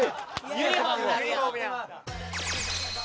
ユニホームやん。